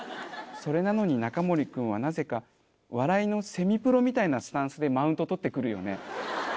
それなのにナカモリ君はなぜか笑いのセミプロみたいなスタンスでマウント取ってくるよね。